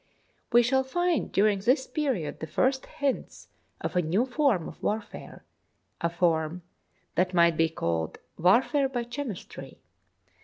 We shall find during this period the first hints of a new form of warfare, a form that might be called " warfare by chemistry."